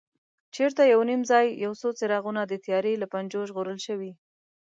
چېرته یو نیم ځای یو څو څراغونه د تیارې له پنجو ژغورل شوي.